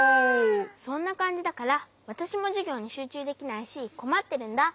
そんなかんじだからわたしもじゅぎょうにしゅうちゅうできないしこまってるんだ。